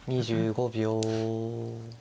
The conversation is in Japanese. ２５秒。